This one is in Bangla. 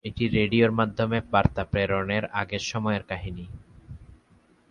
এটি রেডিওর মাধ্যমে বার্তা প্রেরণের আগের সময়ের কাহিনী।